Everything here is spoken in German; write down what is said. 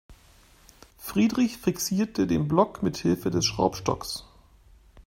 Friedrich fixierte den Block mithilfe des Schraubstocks.